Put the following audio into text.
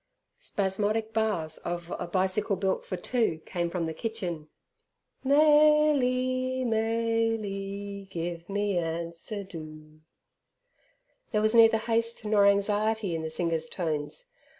Spasmodic bars of "A Bicycle Built for Two" came from the kitchen, "Mayly, Mayly, give me answer do!" There was neither haste nor anxiety in the singer's tones.